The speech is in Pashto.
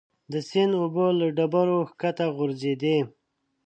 د سیند اوبه له ډبرې ښکته غورځېدې.